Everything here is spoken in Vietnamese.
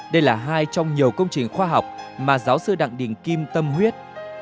đây là hai trong nhiều công trình khoa học mà giáo sư đặng đình kim tâm huyết